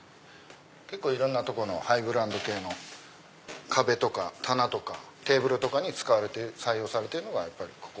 結構いろんなとこのハイブランド系の壁とか棚とかテーブルとかに使われてる採用されてるのが。